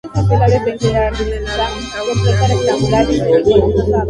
Es el primer single de su álbum, "Cause and Effect" en Noruega.